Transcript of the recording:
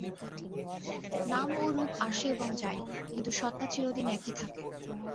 নাম ও রূপ আসে এবং যায়, কিন্তু সত্ত্ব চিরদিন একই থাকে।